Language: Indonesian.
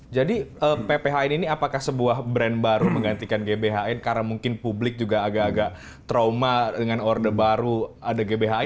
jadi pphn ini apakah sebuah brand baru menggantikan gbhn karena mungkin publik juga agak agak trauma dengan order baru ada gbhn atau apa